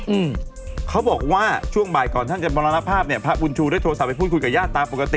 อืมเขาบอกว่าช่วงบ่ายก่อนท่านจะมรณภาพเนี้ยพระบุญชูได้โทรศัพท์ไปพูดคุยกับญาติตามปกติ